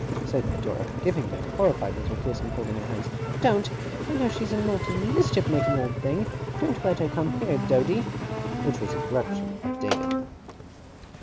said Dora, giving me a horrified little kiss, and folding her hands. 'Don't. I know she's a naughty, mischief making old thing! Don't let her come here, Doady!' which was a corruption of David.